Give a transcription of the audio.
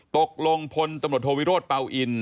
ตกลงพลตำรวจโทวิโรธเปล่าอิน